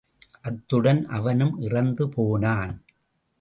அத்துடன் அவனும் இறந்து போனான்.